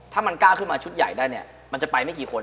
ถ้ามันก้าวขึ้นมาชุดใหญ่ได้เนี่ยมันจะไปไม่กี่คน